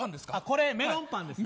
これメロンパンです。